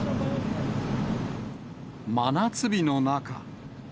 真夏日の中。